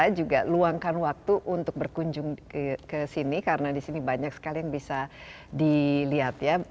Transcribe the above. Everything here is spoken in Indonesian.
saya juga luangkan waktu untuk berkunjung ke sini karena di sini banyak sekali yang bisa dilihat ya